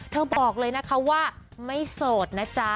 บอกเลยนะคะว่าไม่โสดนะจ๊ะ